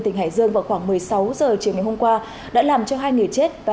tỉnh hải dương vào khoảng một mươi sáu h chiều ngày hôm qua đã làm cho hai người chết và